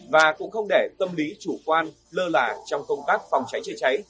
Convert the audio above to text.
và cũng không để tâm lý chủ quan lơ là trong công tác phòng cháy chế cháy